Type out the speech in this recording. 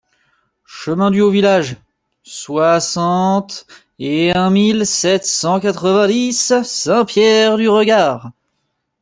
Chemin du Haut Village, soixante et un mille sept cent quatre-vingt-dix Saint-Pierre-du-Regard